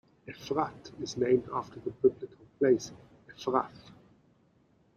Efrat is named after the biblical place Ephrath.